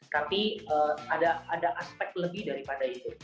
tapi ada aspek lebih daripada itu